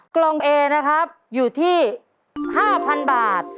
เกะต่อ